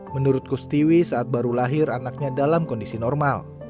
menurut kustiwi saat baru lahir anaknya dalam kondisi normal